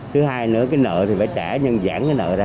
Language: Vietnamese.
thứ hai nữa cái nợ thì phải trả nhân giản cái nợ ra